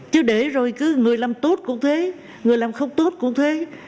chứ để rồi cứ người làm tốt cũng thế người làm không tốt cũng thế